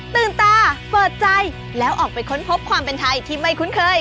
ตื่นตาเปิดใจแล้วออกไปค้นพบความเป็นไทยที่ไม่คุ้นเคย